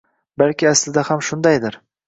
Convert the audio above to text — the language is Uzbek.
Balki, aslida ham shundaydir